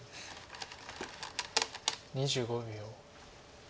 ２５秒。